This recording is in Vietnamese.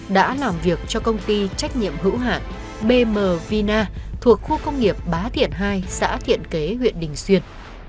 đã làm việc cho công ty trách nhiệm hữu hạn bm vina thuộc khu công nghiệp bá thiện hai xã thiện kế huyện đình xuyên